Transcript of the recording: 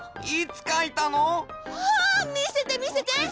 いつかいたの？はあみせて！